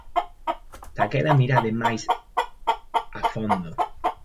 Daquela mirade máis a fondo.